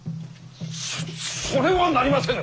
そそれはなりませぬ！